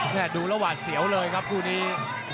แค่ดูระหว่างเสียวเลยครับครูนี้